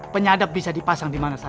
penyadap bisa dipasang di mana saja